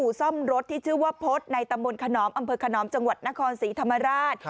ซ่อมรถที่ชื่อว่าพฤษในตำบลขนอมอำเภอขนอมจังหวัดนครศรีธรรมราช